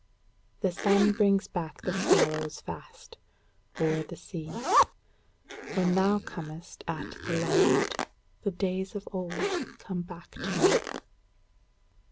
The sun brings back the swallows fast, O'er the sea: When thou comest at the last, The days of old come back to me.